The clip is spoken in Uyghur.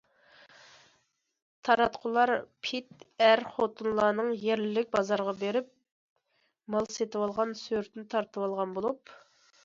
تاراتقۇلار پىت ئەر- خوتۇنلارنىڭ يەرلىك بازارغا بېرىپ مال سېتىۋالغان سۈرىتىنى تارتىۋالغان بولۇپ.